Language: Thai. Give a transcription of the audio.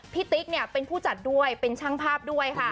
พี่ติ๊กเป็นสนุนและช่างภาพด้วยค่ะ